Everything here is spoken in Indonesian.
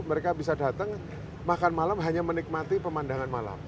mereka bisa datang makan malam hanya menikmati pemandangan malam